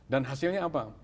dan hasilnya apa